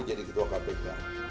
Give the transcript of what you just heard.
jadi ketua kpk